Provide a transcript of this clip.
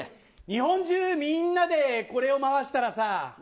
日本中みんなでこれを回したらさ。